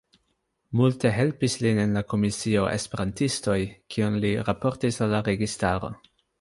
Multe helpis lin en la komisio Esperantistoj, kion li raportis al la registaro.